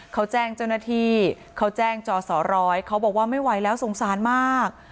เขาแจ้งเจ้าหน้าที่เขาแจ้งจอสอร้อยเขาบอกว่าไม่ไหวแล้วสงสารมาก